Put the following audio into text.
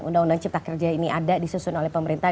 undang undang cipta kerja ini ada disusun oleh pemerintah